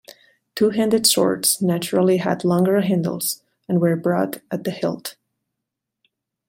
Two-handed swords naturally had longer handles and were broad at the hilt.